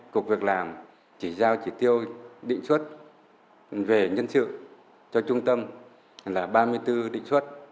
cục việc làm chỉ giao chỉ tiêu định xuất về nhân sự cho trung tâm là ba mươi bốn định xuất